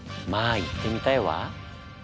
行ってみたいわ。